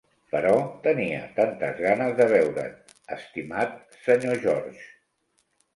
Però tenia tantes ganes de veure"t, estimat Sr. George.